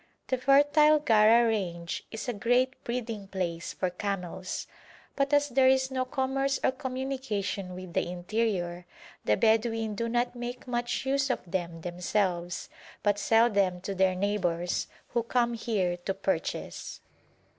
The fertile Gara range is a great breeding place for camels, but as there is no commerce or communication with the interior, the Bedouin do not make much use of them themselves, but sell them to their neighbours, who come here to purchase.